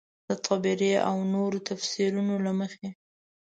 د طبري او نورو تفیسیرونو له مخې.